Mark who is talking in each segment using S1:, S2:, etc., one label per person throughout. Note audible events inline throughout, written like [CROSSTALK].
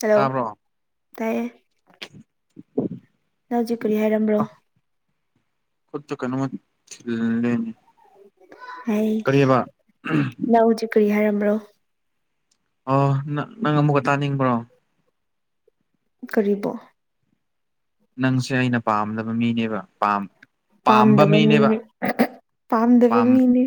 S1: hello
S2: ꯇꯥꯕ꯭ꯔꯣ
S1: ꯇꯥꯏꯌꯦꯦ
S2: ꯎꯝ
S1: ꯅ ꯍꯧꯖꯤꯛ ꯀꯔꯤ ꯍꯥꯏꯔꯝꯕ꯭ꯔꯣ
S2: ꯈꯨꯠꯇ ꯀꯩꯅꯃ ꯂꯩꯅꯤ
S1: ꯍ ꯂꯅꯥꯎ ꯆ ꯀꯔꯤꯌꯥꯔꯝꯔꯣ
S2: ꯑꯣ ꯅ ꯅꯪ ꯑꯃꯨꯛꯀ ꯇꯥꯅꯤꯡꯕ꯭ꯔꯣ
S1: ꯀꯔꯤꯕꫭ
S2: ꯅꯪꯁꯦ ꯑꯩꯅ ꯄꯥꯝꯗꯕ ꯃꯤꯅꯦꯕ ꯄꯥꯝ ꯄꯥꯝꯕ
S1: ꯄꯥꯝꯗꯕ
S2: ꯃꯤꯅꯦꯕ
S1: ꯃꯤꯅꯦ ꯄꯥꯝꯗꯕ
S2: ꯄꯥꯝ
S1: ꯃꯤꯅꯦ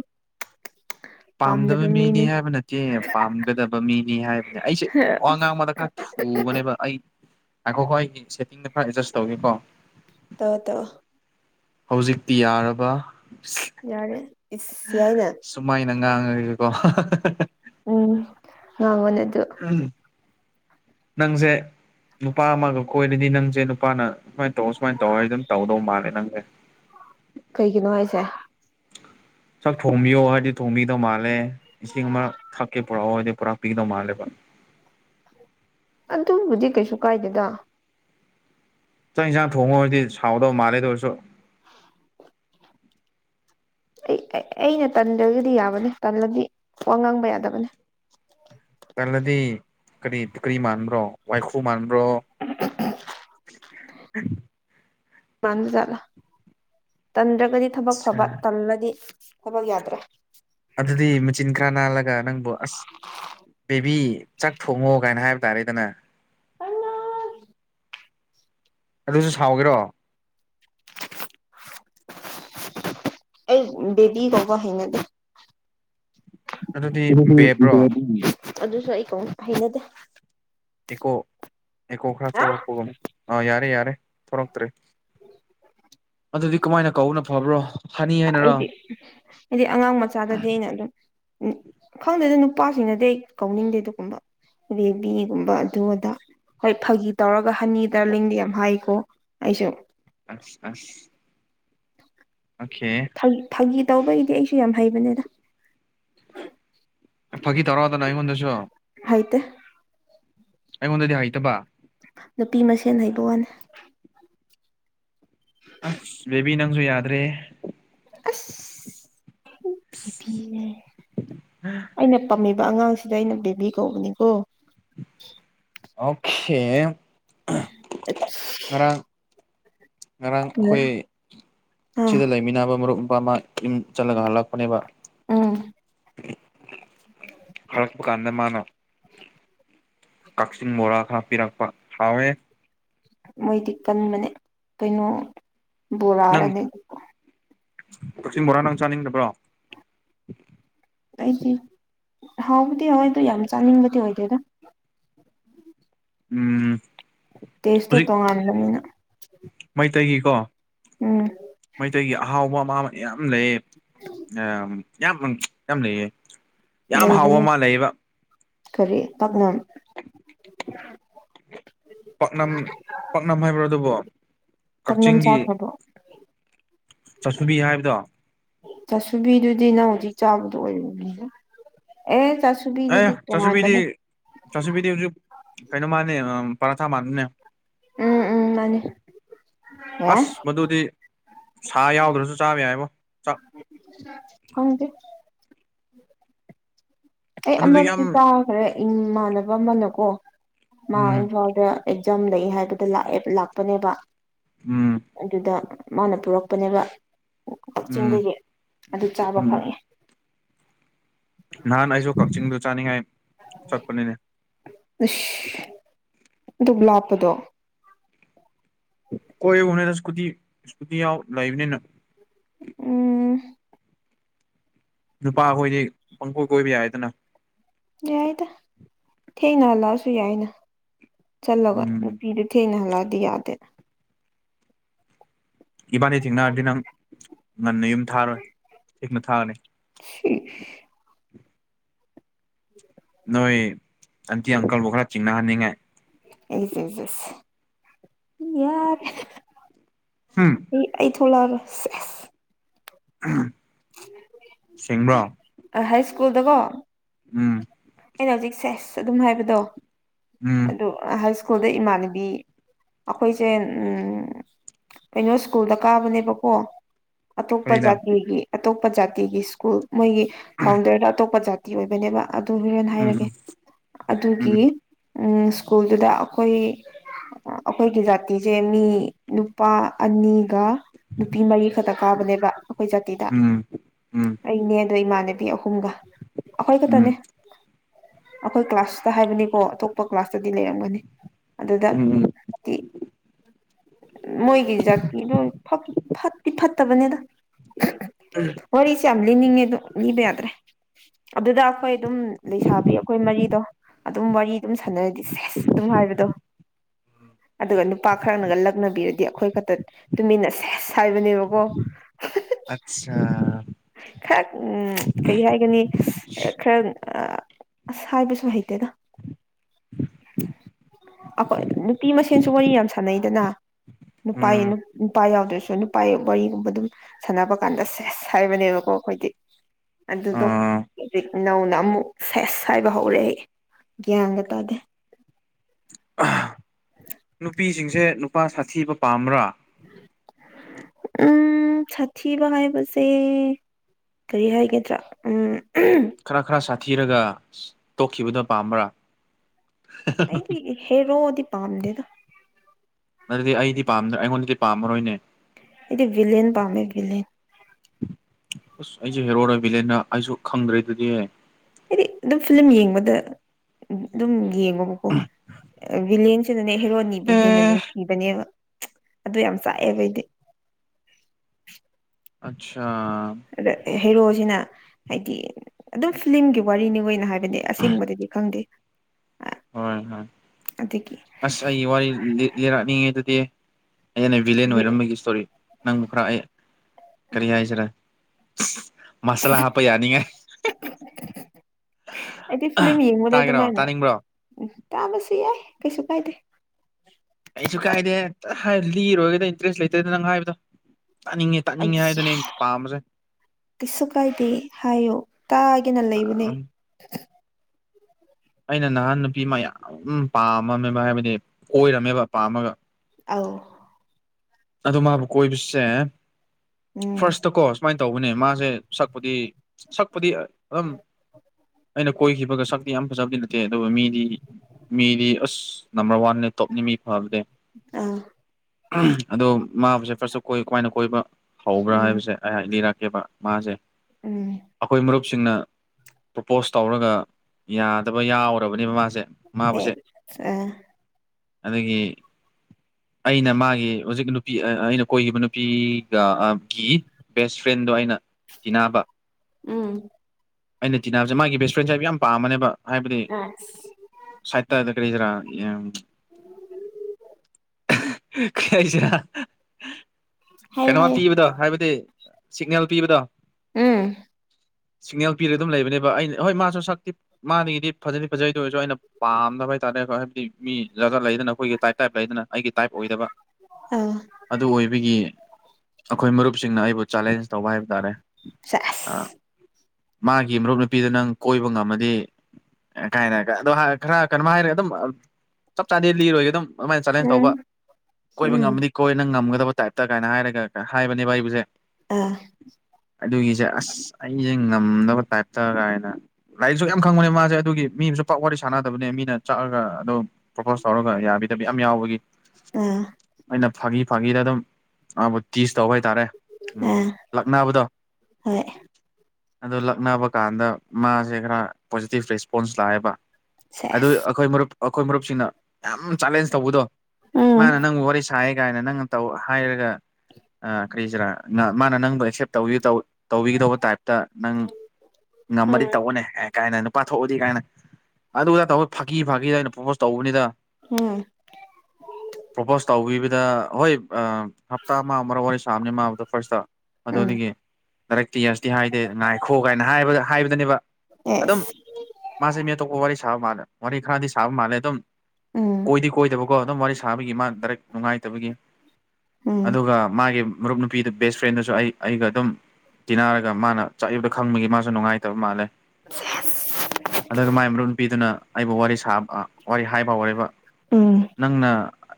S2: ꯄꯥꯝꯗꯕ ꯃꯤꯅꯤ ꯍꯥꯏꯕ ꯅꯠꯇꯦ ꯄꯥꯝꯒꯗꯕ ꯃꯤꯅꯤ ꯍꯥꯏꯕ ꯑꯗꯨ ꯑꯩꯁꯦ ꯋꯥ ꯉꯥꯡꯕꯗ ꯈꯔ ꯊꯨꯕꯅꯦꯕ ꯑꯩ ꯉꯥꯏꯈꯣꯀꫭ ꯑꯩ ꯑꯩꯒꯤ ꯁꯦꯠꯇꯤꯡꯗ ꯈꯔ ꯑꯦꯗꯖꯁ ꯇꯧꯒꯀꯣ
S1: ꯇꯧ ꯇꯧ
S2: ꯍꯧꯖꯤꯛꯇꯤ ꯌꯥꯔꯕ
S1: ꯌꯥꯔꯦ ꯏꯁ ꯌꯥꯏꯅ
S2: ꯁꯨꯃꯥꯏꯅ ꯉꯥꯡꯉꯒꯦꯀꯣ
S1: ꯎꯝ ꯉꯥꯡꯉꫭꯅꯦ ꯑꯗꯨ
S2: ꯅꯪꯁꯦ ꯅꯨꯄꯥ ꯑꯃꯒ ꯀꯣꯏꯅꯗꯤ ꯅꯪꯁꯦ ꯅꯨꯄꯥꯅ ꯁꯨꯃꯥꯏꯅ ꯇꯧꯑꫭ ꯁꯨꯃꯥꯏꯅ ꯇꯧꯔ ꯍꯥꯏ ꯑꯗꯨꯝ ꯇꯧꯗꯧ ꯃꯥꯜꯂꯦ ꯅꯪꯁꯦ
S1: ꯀꯩꯒꯤꯅꯣ ꯍꯥꯏꯁꯦ
S2: ꯆꯥꯛ ꯊꯣꯡꯕꯤꯌꯣ ꯍꯥꯏꯗꯤ ꯊꯣꯡꯕꯤꯗꯧ ꯃꯥꯜꯂꯦ ꯏꯁꯤꯡ ꯑꯃ ꯊꯛꯀꯦ ꯄꯨꯔꯛꯑꯣ ꯍꯥꯏꯗꯤ ꯄꯨꯔꯥꯛ ꯄꯤꯗꯧ ꯃꯥꯂꯦꯕ
S1: ꯑꯗꯨꯕꯨꯗꯤ ꯀꯩꯁꯨ ꯀꯥꯏꯗꯦꯗ
S2: ꯆꯥꯛ ꯌꯦꯟꯁꯥꯡ ꯊꯣꯡꯉꯨꯍꯥꯏꯗꯤ ꯁꯥꯎꯗꯧ ꯃꯥꯜꯂꯦꯗ ꯑꯣꯏꯔꯁꯨ
S1: ꯑꯩ ꯑꯩꯅ ꯇꯟꯗ꯭ꯔꯒꯗꯤ ꯌꯥꯕꯅꯦ ꯇꯜꯂꯗꯤ ꯋꯥ ꯉꯥꯡꯕ ꯌꯥꯗꯕꯅꯦ
S2: ꯇꯜꯂꯗꯤ ꯀꯔꯤ ꯀ꯭ꯔꯤ ꯃꯥꯟꯕ꯭ꯔꯣ ꯋꯥꯏꯈꯨ ꯃꯥꯟꯕ꯭ꯔꯣ ꯑ [UNINTELLIGIBLE]
S1: ꯇꯟꯗ꯭ꯔꯒꯗꯤ ꯊꯕꯛ ꯐꯕ ꯇꯝꯂꯗꯤ ꯊꯕꯛ ꯌꯥꯗ꯭ꯔ‌ꯦ
S2: ꯑꯗꯨꯗꯤ ꯃꯆꯤꯟ ꯈꯔ ꯅꯥꯜꯂꯒ ꯅꯪꯕꯨ ꯑꯁ ꯕꯦꯕꯤ ꯆꯥꯛ ꯊꯣꯡꯉꯣ ꯀꯥꯏꯅ ꯍꯥꯏꯕ ꯇꯥꯔꯦꯗꯅ
S1: ꯀ [UNINTELLIGIBLE]
S2: ꯑꯗꯨꯁꯨ ꯁꯥꯎꯒꯦꯔꯣ
S1: ꯑꯩ ꯕꯦꯕꯤ ꯀꯧꯕ ꯍꯩꯅꯗ‌ꯦ
S2: ꯑꯗꯨꯗꯤ ꯕꯦꯕ꯭ꯔꯣ
S1: ꯑꯗꯨꯁꯨ ꯑꯩ ꯀꯧ ꯍꯩꯅꯗꯦ
S2: ꯏꯀꯣ ꯏꯀꯣ ꯈꯔ
S1: ꯍꯥ
S2: ꯊꯣꯛꯂꯛꯄꯒꯨꯝ ꯑꯥ ꯌꯥꯔꯦ ꯌꯥꯔꯦ ꯊꯣꯂꯛꯇ꯭ꯔꯦ ꯑꯗꯨꯗꯤ ꯀꯃꯥꯏꯅ ꯀꯧꯅ ꯐꯕ꯭ꯔꯣ ꯍꯅꯤ ꯍꯥꯏꯅꯔꯣ
S1: ꯑꯩꯗꯤ ꯑꯩꯗꯤ ꯑꯉꯥꯡ ꯃꯆꯥꯗꯗꯤ ꯑꯩꯅ ꯑꯗꯨꯝ ꯎ ꯈꯪꯗ‌ꯦꯗ ꯅꯨꯄꯥꯁꯤꯡꯅꯗꯤ ꯑꯩ ꯀꯧꯅꯤꯡꯗꯦ ꯑꯗꯨꯒꯨꯝꯕ ꯕ‌ꯦꯕꯤꯒꯨꯝꯕ ꯑꯗꯨ ꯑꯗꯥ ꯍꯣꯏ ꯐꯥꯒꯤ ꯇꯧꯔꯒ ꯍꯅꯤ ꯗꯔꯂꯤꯡꯗꯤ ꯌꯥꯝ ꯍꯥꯏꯀꯣ ꯑꯩꯁꯨ
S2: ꯑꯁ ꯑꯁ ꯑꯣꯀꯦ
S1: ꯐꯥꯒꯤ ꯇꯧꯕꯒꯤꯗꯤ ꯑꯩꯁꯨ ꯌꯥꯝ ꯍꯩꯕꯅꯦꯗ
S2: ꯐꯥꯒꯤ ꯇꯧꯔꯛꯑꫭꯗꯅ ꯑꯩꯉꯣꯟꯗꯁꯨ
S1: ꯍꯩꯇ‌ꯦ
S2: ꯑꯩꯉꯣꯟꯗꯗꯤ ꯍꯩꯇꯕ
S1: ꯅꯨꯄꯤ ꯃꯁꯦꯟ ꯍꯩꯕ ꯋꯥꯅꯤ
S2: ꯑꯁ ꯕꯦꯕꯤ ꯅꯪꯁꯨ ꯌꯥꯗ꯭ꯔꯦꯍ‌ꯦ
S1: ꯑꯁ ꯑꯩꯅ ꯄꯥꯝꯃꯤ ꯑꯉꯥꯡꯁꯤꯗ ꯑꯩꯅ ꯕꯦꯕꯤ ꯀꯧꯕꯅꯤꯀꯣ
S2: ꯑꯣꯀ‌ꯦ
S1: ꯑ [UNINTELLIGIBLE]
S2: ꯉꯔꯥꯡ ꯑꯩꯈꯣꯏ
S1: ꯑꯥ
S2: ꯁꯤꯗ ꯂꯩꯃꯤꯟꯅꯕ ꯃꯔꯨꯞ ꯃꯄꯥꯝ ꯑꯃ ꯌꯨꯝ ꯆꯠꯂꯒ ꯍꯜꯂꯛꯄꯅꯦꯕ
S1: ꯎꯝ
S2: ꯍꯟꯂꯛꯄꯥꯀꯟꯗ ꯃꯅꯥ ꯀꯥꯛꯆꯤꯡ ꯕꯣꯔꯥ ꯈꯔ ꯄꯤꯔꯛꯄ ꯍꯥꯎꯋ‌ꯦ
S1: ꯃꯣꯏꯗꯤ ꯀꯟꯕꯅꯦ ꯀꯩꯅꯣ
S2: ꯅꯪ
S1: ꯕꯣꯔꯥꯔꯅꯦ
S2: ꯀꯛꯆꯤꯡ ꯕꯣꯔꯥ ꯅꯪ ꯆꯥꯅꯤꯡꯗꯕ꯭ꯔꯣ
S1: ꯑꯩꯗꯤ ꯍꯥꯎꯕꯨꯗꯤ ꯍꯥꯎꯋꯦꯗꯣ ꯌꯥꯝ ꯆꯥꯅꯤꯡꯕꯗꯤ ꯑꯣꯏꯗꯦꯗ
S2: ꯎꯝ
S1: ꯇꯦꯁꯇ ꯇꯨ ꯇꯣꯉꯥꯟꯕꯅꯤꯅ
S2: ꯇꯩꯒꯤꯀꯣ
S1: ꯎꯝ
S2: ꯃꯩꯇꯩꯒꯤ ꯑꯍꯥꯎꯕ ꯄꯥꯝꯃꯥ ꯌꯥꯝ ꯂꯩꯌꯦ ꯑ ꯌꯥꯝ ꯌꯥꯝ ꯂꯩꯌꯦ ꯌꯥꯝ ꯍꯥꯎꯕ
S1: ꯂꯩꯕꯅꯦ
S2: ꯃꯥ ꯂꯩꯕ
S1: ꯀꯔꯤ ꯇꯞꯅꯝ [INAUDIBLE]
S2: ꯄꯥꯛꯅꯝ ꯄꯥꯛꯅꯝ ꯍꯥꯏꯕ꯭ꯔꯣ ꯑꯗꯨꯕꯨ
S1: ꯄꯛꯅꯝ
S2: ꯀꯛꯆꯤꯡꯒꯤ
S1: ꯆꯥꯈ꯭ꯔꯕꯣ
S2: ꯆꯥꯁꯨꯕꯤ ꯍꯥꯏꯕꯗꯣ
S1: ꯆꯥꯁꯨꯕꯤꯗꯨꯗꯤ ꯅꯡ ꯍꯧꯖꯤꯛ ꯆꯥꯕꯗꯨ ꯑꯣꯏꯔꯝꯅꯤꯗꯥ ꯑꯦ
S2: ꯑꯦ
S1: ꯆꯥꯁꯨꯕꯤꯗꯨꯗꯤ
S2: ꯆꯥꯁꯨꯕꯤꯗꯤ
S1: ꯇꯣꯉꯥꯟꯕꯅꯦ
S2: ꯆꯥꯁꯨꯕꯤꯗꯤ ꯍꯧꯖꯤꯛ ꯀꯩꯅꯣ ꯃꯟꯅꯦ ꯄꯔꯥꯊꯥ ꯃꯥꯟꯅꯕꯅꯦ
S1: ꯎꯝ ꯎꯝ ꯃꯥꯅꯦ ꯑꯦ
S2: ꯑꯁ ꯃꯗꯨꯨꯗꯤ ꯁꯥ ꯌꯥꯎꯗ꯭ꯔꯁꯨ ꯆꯥꯕ ꯌꯥꯏꯕꯣ ꯆꯥꯛ
S1: ꯈꯪꯗꯦ ꯑꯩ
S2: ꯑꯗꯨꯗꯤ ꯌꯥꯝ
S1: ꯑꯃꯠꯇꯤ ꯆꯥꯈ꯭ꯔꯦ ꯏꯟꯃꯥꯟꯅꯕ ꯑꯃꯅꯀꯣ ꯃꯥ
S2: ꯎꯝ
S1: ꯏꯝꯐꯥꯜꯗ ꯑꯦꯛꯖꯥꯝ ꯂꯩ ꯍꯥꯏꯕꯗ ꯂꯥꯛꯑꯦ ꯂꯥꯛꯄꯅꯦꯕ
S2: ꯎꯝ
S1: ꯑꯗꯨꯗ ꯃꯥꯅ ꯄꯨꯔꯛꯄꯅꯦꯕ
S2: ꯎꯝ
S1: ꯀꯛꯆꯤꯡꯗꯒꯤ ꯑꯗꯨ ꯆꯥꯕ
S2: ꯎꯝ
S1: ꯐꯪꯉꯤ
S2: ꯅꯍꯥꯟ ꯑꯩꯁꯨ ꯀꯛꯆꯤꯡꯗ ꯆꯥꯅꯤꯡꯉꯥꯏ ꯆꯠꯄꯅꯤꯅꯦ
S1: ꯏꯁ ꯑꯗꯨꯕꯨ ꯂꯥꯞꯄꯗꯣ
S2: ꯀꯣꯏꯌꯨ ꯅꯁꯀꯨꯇꯤ ꯅꯁꯀꯨꯇꯤ ꯌꯥꯎ ꯂꯩꯕꯅꯤꯅ
S1: ꯎꯝ
S2: ꯅꯨꯄꯥꯈꯣꯏꯗꯤ ꯄꯡꯈꯣꯏ ꯀꯣꯏꯕ ꯌꯥꯏꯗꯅ
S1: ꯌꯥꯏꯗ ꯊꯦꯡꯅ ꯂꯜꯂꯛꯑꯁꯨ ꯌꯥꯏꯅ ꯆꯠꯂꯒ
S2: ꯎꯝ
S1: ꯅꯨꯄꯤꯗꯨ ꯊꯦꯡꯅ ꯍꯜꯂꯛꯑꯗꯤ ꯌꯥꯗꯦ
S2: ꯏꯕꯥꯅꯤ ꯊꯦꯡꯅꯔꯗꯤ ꯅꯪ ꯉꯟꯅ ꯌꯨꯝ ꯊꯥꯔꯣꯏ ꯊꯦꯡꯅ ꯊꯥꯒꯅꯤ
S1: ꯁꯤꯁ
S2: ꯅꯣꯏ ꯑꯟꯇꯤ ꯑꯪꯀꯜꯕꯨ ꯈꯔ ꯆꯤꯡꯅꯍꯟꯅꯤꯡꯉꯦ
S1: ꯑꯩꯁ ꯑꯩꯁ ꯑꯁ ꯌꯥꯔꯦ
S2: ꯍꯨꯝ
S1: ꯑꯩ ꯊꯣꯛꯂꯥꯑꯔꯣꯏ ꯁꯦꯁ
S2: ꯆꯦꯡꯕ꯭ꯔꯣ
S1: ꯁꯀꯨꯜꯗꯀꯣ
S2: ꯑꯝ
S1: ꯑꯩꯅ ꯍꯧꯖꯤꯛ ꯁꯦꯁ ꯑꯗꯨꯝ ꯍꯥꯏꯕꯗꯣ
S2: ꯎꯝ
S1: ꯑꯗꯨ ꯍꯁ ꯁ꯭ꯀꯨꯜꯗ ꯏꯃꯥꯟꯅꯕꯤ ꯑꯩꯈꯣꯏꯁꯦ ꯎꯝ ꯀꯩꯅꯣ ꯁ꯭ꯀꯨꯜꯗ ꯀꯥꯕꯅꯦꯕꯀꯣ ꯑꯇꯣꯞꯄ
S2: ꯀꯔꯤꯔ
S1: ꯖꯥꯇꯤꯒꯤ ꯑꯇꯣꯞꯄ ꯖꯥꯇꯤꯒꯤ ꯁ꯭ꯀꯨꯜ ꯃꯣꯏꯒꯤ ꯐꯥꯎꯟꯗꯔꯗ ꯑꯇꯣꯞꯄ ꯖꯥꯠ ꯇꯤ ꯑꯣꯏꯕꯅꯦꯕ ꯑꯗꯨ ꯍꯣꯔꯦꯟ
S2: ꯎꯝ
S1: ꯍꯥꯏꯔꯒꯦ
S2: ꯎꯝ
S1: ꯑꯗꯨꯒꯤ ꯎꯝ ꯁ꯭ꯀꯨꯜꯗꯨꯗ ꯑꯈꯣꯏꯒꯤ ꯑꯈꯣꯏꯒꯤ ꯖꯥꯇꯤꯁꯦ ꯃꯤ ꯅꯨꯄꯥ ꯑꯅꯤꯒ ꯅꯨꯄꯤ ꯃꯔꯤ ꯈꯛꯇ ꯀꯥꯕꯅꯦꯕ ꯑꯩꯈꯣꯏ ꯖꯥꯇꯤꯗ
S2: ꯎꯝ ꯎꯝ ꯎꯝ ꯎꯝ
S1: ꯑꯩꯅꯦ ꯑꯗꯣ ꯏꯃꯥꯅ ꯅꯨꯄꯤ ꯑꯍꯨꯝꯒ ꯑꯈꯣꯏ
S2: ꯎꯝ
S1: ꯈꯛꯇꯅꯦ ꯑꯩꯈꯣꯏ ꯀ꯭ꯂꯥꯁꯇ ꯍꯥꯏꯕꯅꯤꯀꯣ ꯑꯇꯣꯞꯄ ꯀ꯭ꯂꯥꯁꯇꯗꯤ ꯂꯩꯔꯝꯒꯅꯤ ꯑꯗꯨꯗ
S2: ꯎꯝ
S1: ꯃꯣꯏꯒꯤ ꯖꯥꯇꯤꯗꯣ ꯐꯠꯇꯤ ꯐꯠꯇꯕꯅꯤꯗ ꯋꯥꯔꯤꯁꯦ ꯌꯥꯝ ꯂꯤꯅꯤꯡꯉꯦꯗꯣ ꯂꯤꯕ ꯌꯥꯗ꯭ꯔꯦ ꯑꯗꯨꯗ ꯑꯩꯈꯣꯏ ꯑꯗꯨꯝ ꯂꯩꯁꯥꯕꯤ ꯑꯩꯈꯣꯏ ꯃꯔꯤꯗꯣ ꯑꯗꯨꯝ ꯋꯥꯔꯤ ꯑꯗꯨꯝ ꯁꯥꯟꯅꯔꯗꯤ ꯁꯦꯁ ꯑꯗꯨꯝ ꯍꯥꯏꯕꯗꯣ [UNINTELLIGIBLE] ꯑꯗꯨꯒ ꯅꯨꯄꯥ ꯈꯔꯅꯒ ꯂꯛꯅꯕꯤꯔꯗꯤ ꯑꯩꯈꯣꯏ ꯈꯛꯇ ꯇꯨꯃꯤꯟꯅꯁꯦꯁ ꯍꯥꯏꯕꯅꯦꯕꯀꯣ
S2: ꯑꯠꯆꯥ
S1: ꯈꯔ ꯀꯩ ꯍꯥꯏꯒꯅꯤ ꯈꯔ ꯑ ꯑꯁ ꯍꯥꯏꯕꯁꯨ ꯍꯩꯇꯦꯗꯣ ꯑꯩꯈꯣꯏ ꯅꯨꯄꯤ ꯃꯁꯦꯟꯁꯨ ꯋꯥꯔꯤ ꯌꯥꯝ ꯁꯥꯟꯅꯩꯗꯅ ꯅꯨꯄꯥ
S2: ꯎꯝ
S1: ꯅꯨꯄꯥ ꯌꯥꯎꯗ꯭ꯔ ꯁ ꯅꯨꯄꯥ ꯋꯥꯔꯤꯒꯨꯝꯕ ꯑꯗꯨꯝ ꯁꯥꯟꯅꯕ ꯀꯥꯟꯗ ꯁꯦꯁ ꯍꯥꯏꯕꯅꯦꯕꯀꯣ ꯑꯩꯈꯣꯏꯗꯤ ꯑꯗꯨꯗꯣ
S2: ꯑꯥ
S1: ꯍꯧꯖꯤꯛ ꯅꯧꯅ ꯑꯃꯨꯛ ꯁꯦꯁ ꯍꯥꯏꯕ ꯍꯧꯔꯛꯦ ꯑꯩ ꯒ꯭ꯌꯥꯟꯒ ꯇꯥꯗꯦ [UNINTELLIGIBLE]
S2: ꯅꯨꯄꯤꯁꯤꯡꯁꯦ ꯅꯨꯄꯥ ꯁꯥꯊꯤꯕ ꯄꯥꯝꯕ꯭ꯔꯥ
S1: [UNINTELLIGIBLE] ꯎꯝ ꯁꯥꯊꯤꯕ ꯍꯥꯏꯕꯁꯦ ꯀꯔꯤ ꯍꯥꯏꯒꯗ꯭ꯔꯥ ꯎꯝ
S2: ꯈꯔ ꯈꯔ ꯁꯥꯊꯤꯔꯒ ꯇꯣꯛꯈꯤꯕꯗꯨꯣ ꯄꯥꯝꯕ꯭ꯔꯥ
S1: ꯑꯩꯗꯤ ꯍꯦꯔꯣꯗꯤ ꯄꯥꯝꯗꯦꯗ
S2: ꯑꯗꯨꯗꯤ ꯑꯩꯗꯤ ꯄꯥꯝꯗ꯭ꯔꯦ ꯑꯩꯉꯣꯟꯗꯗꯤ ꯄꯥꯝꯃꯔꯣꯏꯅꯦ
S1: ꯏꯗꯤ ꯚꯂꯦꯟ ꯄꯥꯝꯃꯦ ꯂꯦꯟ
S2: ꯑꯁ ꯑꯩꯁꯨꯦ ꯍꯦꯔꯣꯔ ꯕꯤꯂꯦꯟꯅ ꯑꯩꯁꯨ ꯈꯪꯗ꯭ꯔꯦ ꯑꯗꯨꯗꯤ
S1: ꯍꯥꯏꯗꯤ ꯑꯗꯨꯝ ꯐꯤꯂꯝ ꯌꯦꯡꯕꯗ ꯑꯗꯨꯝ ꯌꯦꯡꯉꯣꯕꯀꯣ ꯚ ꯁꯤꯅꯅꯦ ꯍꯦꯔꯣꯅꯤꯕꯨ
S2: ꯑꯦ
S1: ꯍꯦꯟꯅ ꯅꯨꯡꯁꯤꯕꯅꯦꯕ ꯑꯗꯨ ꯌꯥꯝ ꯆꯥꯛꯑꯦꯕ ꯑꯩꯗꯤ [UNINTELLIGIBLE]
S2: ꯑꯠꯆꯥ
S1: ꯑꯗ ꯍꯦꯔꯣꯁꯤꯅ ꯍꯥꯏꯗꯤ ꯑꯗꯨꯝ ꯐꯤꯂꯝꯒꯤ ꯋꯥꯔꯤꯅꯤ ꯑꯣꯏꯅ ꯍꯥꯏꯕ ꯍꯥꯏꯕꯗꯤ ꯑꯁꯦꯡꯕꯗꯤꯗꯤ ꯈꯪꯗꯦ
S2: ꯍꯣꯏ ꯍꯣꯏ
S1: ꯑꯗꯒꯤ
S2: ꯑꯁ ꯑꯩ ꯋꯥꯔꯤ ꯂꯤꯔꯛꯅꯤꯡꯉꯦ ꯑꯗꯨꯗꯤ ꯑꯩꯅ ꯚꯤꯂꯦꯟ ꯑꯣꯏꯔꯝꯕꯒꯤ ꯏꯁꯇꯣꯔꯤ ꯅꯪꯕꯨ ꯈꯔ ꯑꯩ ꯀꯔꯤ ꯍꯥꯏꯁꯤꯔꯦ ꯃꯁꯂ ꯍꯥꯍꯄ ꯌꯥꯅꯤꯉ
S1: ꯑꯗꯤ ꯐꯤꯂꯝ ꯌꯦꯡꯕꯗ ꯇꯣꯃꯥꯏ
S2: ꯇꯥꯅꯤꯡꯕ꯭ꯔꯣ
S1: ꯇꯕꯁꯨ ꯌꯥꯏ ꯀꯩꯁꯨ ꯄꯥꯏꯗꯦ
S2: ꯑꯩꯁꯨ ꯀꯥꯏꯗꯦ ꯂꯤꯔꯣꯏꯒꯗ ꯏꯟꯇꯔꯦꯁ ꯂꯩꯇꯦꯗ ꯅꯪ ꯍꯥꯏꯕꯗꯣ ꯇꯅꯤꯡꯉꯦ ꯇꯥꯛꯅꯤꯡꯉꯦ
S1: ꯑꯩꯌꯥ
S2: ꯍꯥꯏꯗꯨꯅ ꯑꯩꯅ ꯄꯥꯝꯕꯁꯦ
S1: ꯀꯩꯁꯨ ꯀꯥꯏꯗꯦ ꯍꯥꯏꯌꯨ ꯇꯥꯒꯦꯅ ꯂꯩꯕꯅꯦ
S2: ꯑꯩꯅ ꯅꯍꯥꯟ ꯅꯨꯄꯤ ꯃꯌꯥꯝ ꯄꯥꯝꯃꯝꯃꯦꯕ ꯍꯥꯏꯕꯗꯤ ꯑꯣꯏꯔꯝꯃꯦꯕ ꯄꯥꯝꯃꯒ
S1: ꯑ
S2: ꯑꯣ ꯃꯥꯕꯨ ꯀꯣꯏꯕꯁꯦ
S1: ꯎꯝ
S2: ꯐꯥꯔꯁꯇꯀꯣ ꯁꯨꯃꯥꯏꯅ ꯇꯧꯕꯅꯦ ꯃꯥꯁꯦ ꯁꯛꯄꯗꯤ ꯁꯛꯄꯗꯤ ꯑꯗꯨꯝ ꯑꯩꯅ ꯀꯣꯏꯈꯤꯕ ꯑꯗꯨꯒ ꯁꯛꯇꯤ ꯌꯥꯝ ꯐꯖꯕꯗꯤ ꯅꯠꯇꯦ ꯑꯗꯨꯒ ꯃꯤꯗꯤ ꯃꯤꯗꯤ ꯑꯁ ꯅꯝꯕꯔ ꯋꯥꯟ ꯅꯦ ꯇꯣꯞꯅꯤ ꯃꯤ ꯐꯗꯦ
S1: ꯑꯥ
S2: ꯑꯗꯣ ꯃꯥꯕꯨꯁꯦ ꯐꯥꯔꯁꯇꯣꯏ ꯀꯏꯅ ꯀꯣꯏꯕ ꯍꯧꯕ꯭ꯔꯥ
S1: ꯎꯝ
S2: ꯍꯥꯏꯕꯁꯦ ꯑꯩ ꯂꯤꯔꯛꯀꯦꯕ ꯃꯥꯁꯦ
S1: ꯎꯝ
S2: ꯁꯤꯡꯅ ꯄ꯭ꯔꯣꯄꯣꯁ ꯇꯧꯔꯒ ꯌꯥꯗꯕ ꯌꯥꯎꯔꯕꯅꯤꯕ ꯃꯥꯁꯤ
S1: ꯑꯦ ꯑ
S2: ꯑꯗꯒꯤ ꯑꯩꯅ ꯃꯥꯒꯤ ꯍꯧꯖꯤꯛ ꯅꯨꯄꯤ ꯑꯩꯅ ꯀꯣꯏꯈꯤꯕ ꯅꯨꯄꯤꯒ ꯒꯤ ꯕꯦꯁ ꯐ꯭ꯔꯦꯟꯗꯣ ꯑꯩꯅ ꯤꯅꯥꯕ
S1: ꯎꯝ
S2: ꯑꯩꯅ ꯇꯤꯅꯥꯁꯦ ꯃꯥꯒꯤ ꯕꯦꯁ ꯐ꯭ꯔꯦꯟꯁꯦ ꯍꯥꯏꯕ ꯌꯥꯝ ꯄꯥꯝꯃꯅꯦꯕ ꯍꯥꯏꯕꯗꯤ
S1: ꯑꯁ
S2: ꯁꯥꯏꯠꯇ ꯀꯔꯤꯗ꯭ꯔꯥ
S1: ꯎ
S2: ꯑꯩꯁꯤ
S1: ꯍꯥꯏꯌꯣ
S2: ꯀꯩꯅꯣꯃ
S1: ꯍꯥꯏꯌꯣ
S2: ꯄꯤꯕꯗꯣ ꯍꯥꯏꯕꯗꯤ ꯁꯤꯒꯅꯦꯜ ꯄꯤꯕꯗꯣ
S1: ꯎꯝ
S2: ꯁꯤꯒꯅꯦꯜ ꯄꯤꯔꯒ ꯑꯗꯨꯝ ꯂꯩꯕꯅꯦꯕ ꯑꯩꯅ ꯍꯣꯏ ꯃꯥꯁꯨ ꯁꯛꯇꯤ ꯃꯥꯗꯒꯤꯗꯤ ꯐꯖꯗꯤ ꯐꯖꯩꯗ ꯑꯣꯏꯔꯁꯨ ꯑꯩꯅ ꯄꯥꯝ ꯍꯥꯏ ꯇꯔꯦꯣ ꯍꯥꯏꯕꯗꯤ ꯃꯤ ꯖꯒꯥ ꯂꯩꯗꯅ ꯑꯩꯈꯣꯏꯒꯤ ꯇꯥꯏ ꯇꯥꯏꯞ ꯂꯩꯗꯅ ꯑꯩꯒꯤ ꯇꯥꯏꯞ ꯑꯣꯏꯗ
S1: ꯑꯧ
S2: ꯑꯗꯨ ꯑꯣꯏꯕꯒꯤ ꯑꯩꯈꯣꯏ ꯃꯔꯨꯞꯁꯤꯡꯅ ꯑꯩꯕꯨ ꯆꯦꯂꯦꯟꯖ ꯇꯧꯕ ꯍꯥꯏꯕ ꯇꯥꯔꯦ
S1: [UNINTELLIGIBLE]
S2: ꯃꯥꯒꯤ ꯃꯔꯨꯞ ꯅꯨꯄꯤꯗꯨ ꯅꯪ ꯀꯣꯏꯕ ꯉꯝꯃꯗꯤ ꯀꯥꯏꯅ ꯑꯗꯣ ꯈꯔ ꯀꯩꯅꯣ ꯍꯥꯏꯔꯒꯦ ꯑꯗꯨꯝ ꯆꯞ ꯆꯥꯗꯤ ꯂꯤꯔꯣꯏꯒꯦ ꯑꯗꯨꯝ ꯑꯗꯨꯃꯥꯏꯅ ꯆꯦꯂꯦꯟꯖ
S1: ꯎꯝ
S2: ꯇꯧꯕ ꯀꯣꯏꯕ
S1: ꯎꯝ
S2: ꯉꯝꯃꯗꯤ ꯀꯣꯏ ꯅ ꯉꯝꯒꯗꯕ ꯇꯥꯏꯞꯇ ꯀꯥꯏꯅ ꯍꯥꯏꯔꯒ ꯍꯥꯏꯕꯅꯦꯕ ꯑꯩꯕꯨꯁꯦ
S1: ꯑꯥ
S2: ꯑꯗꯨꯒꯤꯁꯦ ꯑꯁ ꯑꯩꯁꯦ ꯉꯝꯗꯕ ꯇꯥꯏꯞꯇ ꯀꯥꯏꯅ ꯂꯥꯏꯔꯤꯛꯁꯨ ꯌꯥꯝ ꯈꯪꯕꯅꯦ ꯃꯥꯁꯦ ꯑꯗꯨꯒꯤ ꯃꯤ ꯑꯃꯁꯨ ꯄꯥꯛ ꯋꯥꯔꯤ ꯁꯥꯟꯅꯗꯕꯅꯦ ꯃꯤꯅ ꯆꯥꯛꯑꯒ ꯑꯝ ꯄ꯭ꯔꯣꯄꯣꯁ ꯇꯧꯔꯒ ꯌꯥꯕꯤꯗꯕꯤ ꯌꯥꯝ ꯌꯥꯎꯕꯒꯤ
S1: ꯑꯥ
S2: ꯩꯅ ꯐꯥꯒꯤ ꯐꯥꯒꯤꯗ ꯑꯗꯨꯝ ꯑ ꯇꯤꯁ ꯇꯧꯕ ꯍꯥꯏꯇꯥꯔꯦ ꯎ
S1: ꯑꯥ
S2: ꯂꯛꯅꯕꯗꯣ
S1: ꯍꯣꯏ
S2: ꯑꯗꯣ ꯂꯛꯅꯕ ꯀꯥꯟꯗ ꯃꯥꯁꯦ ꯈꯔ ꯄꯣꯖꯤꯇꯤꯕ ꯔꯦꯁꯄꯣꯟꯁ ꯂꯥꯛꯑꯦꯕ ꯑꯗꯨ
S1: ꯁꯦꯁ
S2: ꯑꯩꯈꯣꯏ ꯃꯔꯨꯞ ꯑꯩꯈꯣꯏ ꯃꯔꯨꯞꯁꯤꯡꯅ ꯌꯥꯝ ꯆꯥꯂꯦꯟꯖ ꯇꯧꯕꯗꯣ
S1: ꯎꯝ
S2: ꯃꯥ ꯅꯪ ꯋꯥꯔꯤꯁ ꯁꯥꯏ ꯀꯥꯏꯅ ꯅꯪꯅ ꯇꯧ ꯍꯥꯏꯔꯒ ꯀꯔꯤꯁꯤꯔꯥ ꯃꯥꯅ ꯅꯪꯗꯣ ꯑꯦꯛꯁꯦꯞ ꯇꯧꯒ ꯇꯧ ꯇꯧꯕꯤꯒꯗꯧꯕ ꯇꯥꯏꯞꯇ ꯅꯪ ꯉꯝꯃꯗꯤ
S1: ꯎꯝ
S2: ꯇꯧꯑꯣꯅꯦ ꯀꯥꯏꯅ ꯅꯨꯄꯥ ꯊꯣꯛꯑꯗꯤ ꯀꯥꯏꯅ ꯑꯗꯨ ꯇꯧ ꯐꯥꯀꯤ ꯐꯥꯈꯤꯗ ꯑꯩꯅ ꯄ꯭ꯔꯣꯄꯣꯁ ꯇꯧꯕꯅꯤꯗ
S1: ꯎꯝ
S2: ꯄꯣꯁ ꯇꯧꯕꯤꯕꯗ ꯍꯣꯏ ꯍꯞꯇꯥ ꯑꯃ ꯑꯃ ꯋꯥꯔꯤ ꯁꯥꯕꯅꯦ ꯃꯥꯕꯗꯣ ꯐꯥꯔꯁꯇ
S1: ꯎꯝ
S2: ꯑꯗꯨꯗꯒꯤ ꯂꯥꯏꯔꯤꯛꯇꯤ ꯑꯦꯁꯇꯤ ꯍꯥꯏꯗꯦ ꯉꯥꯏꯈꯣ ꯀꯥꯏꯅ ꯍꯥꯏꯕ ꯍꯥꯏꯕꯗꯨꯅꯦꯕ ꯑꯗꯨꯝ
S1: ꯑꯦꯁ
S2: ꯃꯥꯁꯦ ꯃꯤꯇꯣꯞꯄ ꯋꯥꯔꯤ ꯁꯥꯕ ꯃꯥꯜꯂꯦ ꯋꯥꯔꯤ ꯈꯔꯗꯤ ꯁꯥꯕ ꯃꯥꯜꯂꯦ ꯑꯗꯨꯝ
S1: ꯎꯝ
S2: ꯀꯣꯏꯗꯤ ꯀꯣꯏꯗꯕꯀꯣ ꯑꯗꯨꯝ ꯋꯥꯔꯤ ꯁꯥꯕꯒꯤ ꯃꯥ ꯗꯥꯏꯔꯦꯛ ꯅꯨꯡꯉꯥꯏꯇꯕꯒꯤ
S1: ꯎꯝ
S2: ꯑꯗꯨꯒ ꯃꯥꯒꯤ ꯃꯔꯨꯞ ꯅꯨꯄꯤꯗꯨ ꯕꯦꯁ ꯐ꯭ꯔꯦꯟꯗꯨꯁꯨ ꯑꯩ ꯑꯩꯒ ꯑꯗꯨꯝ ꯇꯤꯟꯅꯔꯒ ꯃꯥꯅ ꯆꯠꯂꯤꯕꯗꯣ ꯈꯪꯕꯒꯤ ꯃꯥꯁꯨ ꯅꯨꯡꯉꯥꯏꯇꯕ ꯃꯥꯜꯂꯦ ꯑꯗꯨꯒ ꯃꯥꯏ ꯃꯔꯨꯜ ꯄꯤꯗꯨꯅ ꯑꯩꯕꯨ ꯋꯥꯔꯤ ꯁꯥꯕ ꯋꯥꯔꯤ ꯍꯥꯏꯕ ꯍꯧꯔꯤꯕ
S1: ꯎꯝ
S2: ꯅꯪꯅ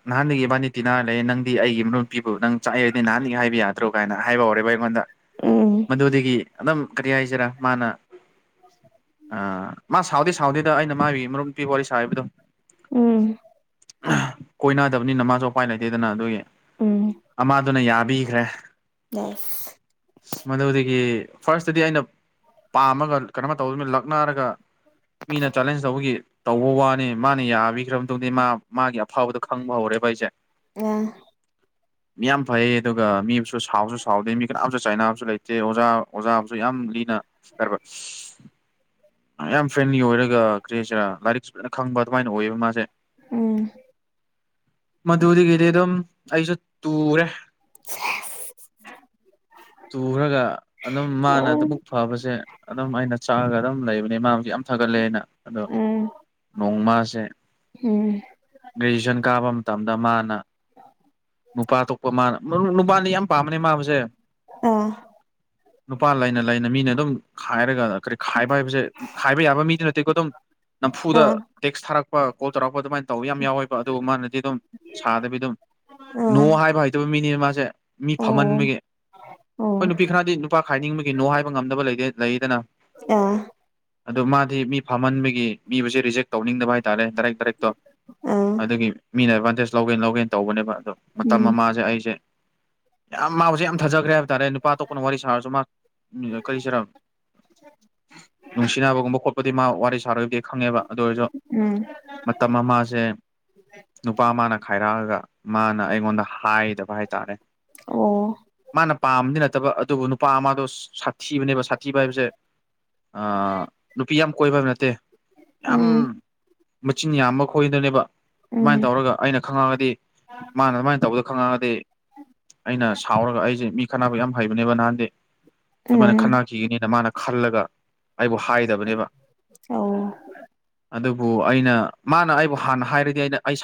S2: ꯅꯍꯥꯟꯗꯒꯤ ꯏꯕꯥꯅꯤ ꯇꯤꯅꯥ ꯂꯩ ꯅꯪꯗꯤ ꯑꯩꯒꯤ ꯅꯨꯄꯤꯕꯨ ꯅꯪ ꯆꯥꯛꯏꯗꯤ ꯅꯍꯥꯟꯗꯒꯤ ꯍꯥꯏꯕ ꯌꯥꯗ꯭ꯔꯣ ꯀꯥꯏꯅ ꯍꯥꯏꯕ ꯍꯧꯔꯦꯕ ꯗ
S1: ꯎꯝ
S2: ꯃꯗꯨꯗꯒꯤ ꯑꯗꯨꯝ ꯀꯔꯤ ꯍꯥꯏꯁꯤꯔꯥ ꯃꯥꯅ ꯑ ꯃꯥ ꯁꯥꯎꯗꯦ ꯁꯥꯎꯗꯦꯗ ꯑꯩꯅ ꯃꯥꯒꯤ ꯃꯔꯨꯞ ꯄꯤ ꯋꯥꯔꯤ ꯁꯥꯕꯗꯣ
S1: ꯎꯝ
S2: ꯑꯗꯨꯅꯤ ꯅꯃꯥꯁꯨꯧ ꯎꯄꯥꯏ ꯂꯩꯇꯦꯗꯅ ꯑꯗꯨꯒꯤ
S1: ꯎꯝ
S2: ꯑꯗꯨꯅ ꯌꯥꯕꯤꯈ꯭ꯔꯦ
S1: ꯌꯦꯁ
S2: ꯑ ꯃꯗꯨꯗꯒꯤ ꯐꯥꯔ꯭ꯁꯇꯗꯤ ꯑꯩꯅ ꯄꯥꯝꯃꯒ ꯀꯩꯅꯝꯥꯏ ꯇꯧꯗꯨꯅꯤꯅ ꯂꯛꯅꯔꯒ ꯃꯤꯅ ꯆꯥꯂꯦꯟꯁ ꯇꯧꯕꯒꯤ ꯇꯧꯕ ꯋꯥꯅꯤ ꯃꯥꯅ ꯌꯥꯕꯤꯈ꯭ꯔꯕ ꯃꯇꯨꯡꯗꯗꯤ ꯃꯥ ꯃꯥꯒꯤ ꯑꯐꯥꯎꯕꯗ ꯈꯪꯕ ꯍꯧꯧꯔꯦ ꯏꯁꯦ
S1: ꯑ
S2: ꯃꯤ ꯌꯥꯝ ꯐꯩ ꯑꯗꯨꯒ ꯃꯤꯁꯨ ꯁꯥꯎꯕꯁꯨ ꯁꯥꯎꯗꯦ ꯃꯤ ꯀꯅꯥꯝꯁꯨ ꯆꯥꯏꯅꯕꯁꯨ ꯂꯩꯇꯦ ꯆꯦ ꯑꯣꯖꯥ ꯑꯣꯖꯥꯕꯨꯁꯨ ꯌꯥꯝ ꯂꯤꯅ ꯍꯥꯏꯔꯕ ꯌꯥꯝ ꯐ꯭ꯔꯦꯟꯂꯤ ꯑꯣꯏꯔꯒ ꯀ꯭ꯔꯦꯁꯤꯔ ꯂꯥꯏꯔꯤꯛꯁꯨ ꯐꯖꯅ ꯈꯪꯕ ꯑꯗꯨꯃꯥꯏꯅ ꯑꯣꯏꯌꯦꯕ ꯃꯥꯁꯦ
S1: ꯎꯝ
S2: ꯃꯗꯨꯗꯒꯤꯗꯤ ꯑꯗꯨꯝ ꯑꯩꯁꯨ ꯇꯨꯔꯦ
S1: [UNINTELLIGIBLE]
S2: ꯇꯨꯈ꯭ꯔꯒ ꯑꯗꯨꯝ ꯃꯥꯅ ꯑꯗꯨꯕꯨꯛ ꯐꯕꯁꯦ ꯑꯗꯨꯝ ꯑꯩꯅ ꯆꯥꯛꯑꯒ ꯂꯩꯕꯅꯤꯃ ꯊꯥꯒꯠꯂꯦꯅ ꯑꯗꯣ
S1: ꯎꯝ ꯎꯝ
S2: ꯅꯣꯡꯃꯁꯦ
S1: ꯎꯝ
S2: ꯇꯨꯏꯁꯟ ꯀꯥꯕ ꯃꯇꯝꯗ ꯃꯥꯅ ꯅꯨꯄꯥ ꯊꯣꯛꯄ ꯃꯥꯅ ꯅꯨꯄꯥꯅ ꯌꯥꯝ ꯃꯥ
S1: ꯑ
S2: ꯅꯨꯄꯥ ꯂꯩꯅ ꯂꯩ ꯃꯤꯝ ꯀ ꯀꯔꯤ ꯈꯥꯏꯕ ꯍꯥꯏꯕꯁꯦ ꯈꯥꯏꯕ ꯌꯥꯕ ꯃꯤꯗꯨ ꯅꯠꯇꯦꯀꯣ ꯑꯗꯨꯝ
S1: ꯑ
S2: ꯅꯝꯐꯨꯗ ꯇꯦꯛꯁ ꯊꯥꯔꯛꯄ ꯀꯣꯜ ꯇꯧꯔꯛꯄ ꯑꯗꯨꯃꯥꯏꯅ ꯇꯧꯋꯤ ꯌꯥꯝ ꯌꯥꯎꯋꯦ ꯑꯗꯨꯒ ꯃꯥꯅꯗꯤ ꯑꯗꯨꯝ ꯁꯥꯗꯕꯤ ꯑꯗꯨꯝ ꯅꯣ
S1: ꯑ
S2: ꯍꯥꯏꯕ ꯍꯩꯇꯕ ꯃꯤꯅꯤꯅ ꯃꯥꯁꯦ ꯃꯤ
S1: ꯑꯣ
S2: ꯐꯝꯍꯟꯕꯒꯤ ꯍꯣꯏ
S1: ꯑꯣ
S2: ꯅꯨꯄꯤ ꯈꯔꯗꯤ ꯅꯨꯄꯥ ꯈꯥꯏꯅꯤꯡꯕꯒꯤꯅꯣ ꯍꯥꯏꯕ ꯉꯝꯗꯕ ꯂꯩꯗꯦ ꯂꯩꯗꯅ
S1: ꯑ
S2: ꯑ ꯃꯥꯗꯤ ꯃꯤ ꯐꯝꯍꯟꯕꯒꯤ ꯃꯤꯕꯨꯁꯦ ꯔꯤꯖꯦꯛ ꯇꯧꯅꯤꯡꯗꯕ ꯍꯥꯏ ꯇꯔꯦ ꯗꯥꯏꯔꯦꯛ ꯗꯥꯏꯔꯦꯛꯇꯣ
S1: ꯑ
S2: ꯑꯗꯨꯒꯤ ꯃꯤꯅ ꯑꯦꯗꯚꯥꯟꯇꯦꯖ ꯂꯧꯒꯦ ꯂꯧꯒꯦ ꯇꯧꯕꯅꯦꯕ ꯑꯗꯣ
S1: ꯎꯝ
S2: ꯃꯇꯝꯥꯁꯦ ꯑꯩꯁꯦ ꯌꯥꯝ ꯃꯥꯁꯦ ꯌꯥꯝ ꯊꯥꯖꯈ꯭ꯔꯦ ꯍꯥꯏꯕ ꯍꯥꯏꯇꯥꯔꯦ ꯅꯨꯄꯥꯇꯣ ꯀꯅ ꯋꯥꯔꯤ ꯁꯥꯔꯁꯨ ꯃꯥ ꯀꯔꯤꯁꯤꯔ ꯅꯨꯡꯁꯤꯅꯕꯒꯨꯝꯕ ꯈꯣꯠꯄꯗꯤ ꯃꯥ ꯋꯥꯔꯤ ꯁꯥꯔꯣꯏꯗꯤ ꯈꯪꯉꯦꯕ ꯑꯗꯨ ꯑꯣꯏꯔꯁꯨ
S1: ꯎꯝ
S2: ꯃꯇꯝ ꯑꯃꯁꯦ ꯅꯨꯄꯥ ꯃꯥꯅ ꯈꯥꯏꯔꯛꯑꯒ ꯃꯥꯅ ꯑꯩꯉꯣꯟꯗ ꯍꯥꯏꯗꯕ ꯍꯥꯏꯇꯥꯔꯦ
S1: ꯑꯣ
S2: ꯃꯥꯅ ꯄꯥꯝꯝꯕꯗꯤ ꯅꯠꯇꯕ ꯑꯗꯨꯕꯨ ꯅꯨꯄꯥ ꯑꯃꯗꯣ ꯁꯥꯊꯤ ꯊꯤꯕꯅꯦꯕ ꯁꯥꯊꯤꯕ ꯍꯥꯏꯕꯁꯦ ꯅꯨꯄꯤ ꯌꯥꯝ ꯀꯣꯏꯕ ꯍꯥꯏꯕ ꯅꯠꯇꯦ ꯌꯥꯝ
S1: ꯎꯝ
S2: ꯃꯆꯤꯟ ꯌꯥꯝꯕ ꯈꯣꯏꯗꯅꯦꯕ ꯑꯗꯨꯃꯥꯏꯅ
S1: ꯎꯝ
S2: ꯇꯧꯔꯒ ꯑꯩꯅ ꯈꯪꯉꯛꯒꯗꯤ ꯃꯥꯅ ꯑꯗꯨꯃꯥꯏꯅ ꯇꯧꯕꯗ ꯈꯪꯉꯛꯑꯒꯗꯤ ꯑꯩꯅ ꯁꯥꯎꯔꯒ ꯑꯩꯁꯦ ꯃꯤ ꯈꯅꯕ ꯌꯥꯝ ꯍꯩꯕꯅꯦꯕ ꯅꯍꯥꯟꯗꯤ ꯑꯗꯨꯃꯥꯏꯅ
S1: ꯎꯝ
S2: ꯈꯟꯅꯈꯤꯒꯅꯤꯅ ꯃꯥꯅ ꯈꯜꯂꯒ ꯑꯩꯕꯨ ꯍꯥꯏꯗꯕꯅꯦꯕ
S1: ꯑꯣ
S2: ꯑꯗꯨꯕꯨ ꯑꯩꯅ ꯃꯥꯅ ꯑꯩꯕꯨ ꯍꯥꯟꯅ ꯍꯥꯏꯔꯤ ꯩꯅ ꯑꯩꯁ